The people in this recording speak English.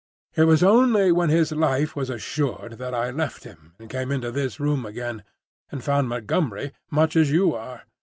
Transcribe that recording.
It was only when his life was assured that I left him and came into this room again, and found Montgomery much as you are.